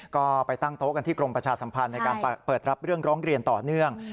ก็ไปตั้งโต๊ะกันที่กรมประชาสัมพันธ์ในการเปิดรับเรื่องร้องเรียนต่อเนื่อง